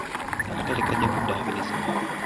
Akatale kajja kuddaabirizibwa.